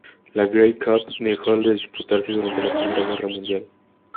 La Grey Cup dejó de disputarse durante la Primera Guerra Mundial.